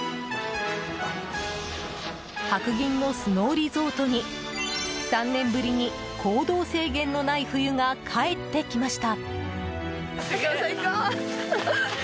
白銀のスノーリゾートに３年ぶりに行動制限のない冬が帰ってきました。